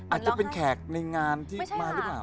อาจจะเป็นแขกในงานที่มาหรือเปล่า